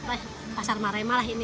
tapi kayaknya ini kan menjelang lebaran ini